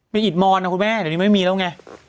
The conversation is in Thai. เป็นอิดมอนนะคุณแม่เดี๋ยวนี้ไม่มีแล้วไง